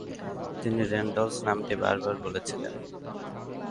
তিনি “রেনল্ডস” নামটি বারবার বলছিলেন।